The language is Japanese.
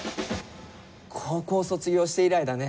高校卒業して以来だね。